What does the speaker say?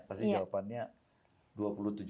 berapa lama kerja di pt fi